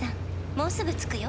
もうすぐ着くよ」